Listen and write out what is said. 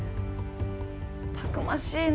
たくましいな。